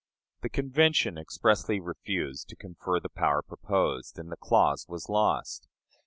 The Convention expressly refused to confer the power proposed, and the clause was lost.